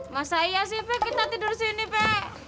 masa iya sih be kita tidur sini be